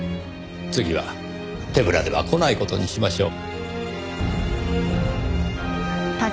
次は手ぶらでは来ない事にしましょう。